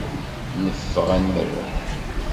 Neffeɣ ad nmerreḥ.